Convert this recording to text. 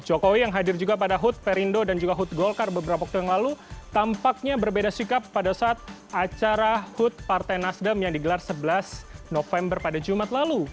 jokowi yang hadir juga pada hut perindo dan juga hud golkar beberapa waktu yang lalu tampaknya berbeda sikap pada saat acara hut partai nasdem yang digelar sebelas november pada jumat lalu